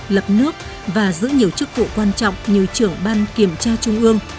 lập nước và giữ nhiều chức vụ quan trọng như trưởng ban kiểm tra trung ương